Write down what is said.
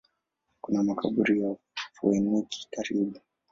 Kuna makaburi ya Wafoeniki karibu.